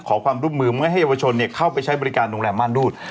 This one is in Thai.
ขอความร่วมมือไม่ให้เยาวชนเข้าไปใช้บริการโรงแรมม่านรูด